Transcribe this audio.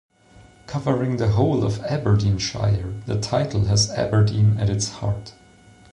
Covering the whole of Aberdeenshire, the title has Aberdeen at its heart.